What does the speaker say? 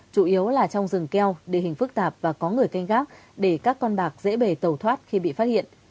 chủ yếu là trong rừng keo địa hình phức tạp và có người canh gác để các con bạc dễ bể tẩu thoát khi bị phát hiện